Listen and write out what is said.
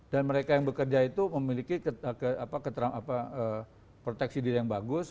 dan mereka yang bekerja itu memiliki proteksi diri yang bagus